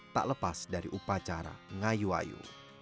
tak lepas dari upacara ngayu ayu